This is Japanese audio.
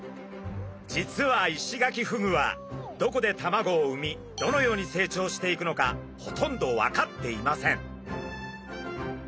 実はイシガキフグはどこで卵を産みどのように成長していくのかほとんど分かっていません。